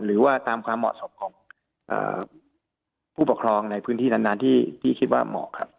หรือว่าตามความเหมาะสมของผู้ปกครองในพื้นที่นั้นที่คิดว่าเหมาะครับ